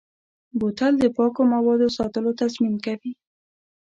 بوتل د پاکو موادو ساتلو تضمین کوي.